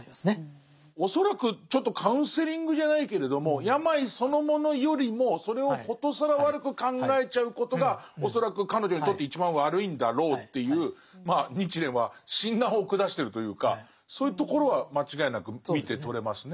恐らくちょっとカウンセリングじゃないけれども病そのものよりもそれを殊更悪く考えちゃうことが恐らく彼女にとって一番悪いんだろうというまあ日蓮は診断を下してるというかそういうところは間違いなく見て取れますね。